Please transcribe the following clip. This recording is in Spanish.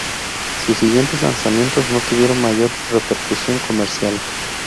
Sus siguientes lanzamientos no tuvieron mayor repercusión comercial.